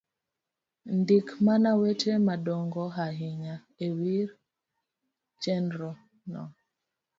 Ndik mana weche madongo ahinya e wi chenro no